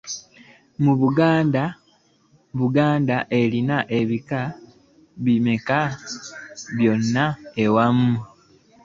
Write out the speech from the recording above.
Buganda elina ebika bimeka byonna awamu